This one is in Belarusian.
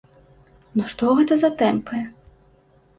Ну што гэта за тэмпы?